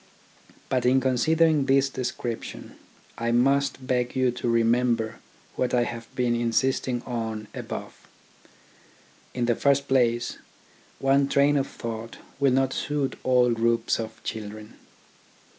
But in considering this description, I must beg you to remember what I have been insisting on above. In the first place, one train of thought will not suit all groups of children.